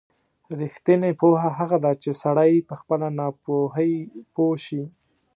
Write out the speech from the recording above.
رښتینې پوهه هغه ده چې سړی په خپله ناپوهۍ پوه شي.